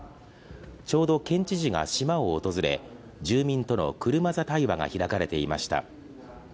ちょうど県知事が島を訪れ、住民との車座対話が開かれていました。